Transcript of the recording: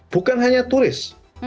bukan hanya turis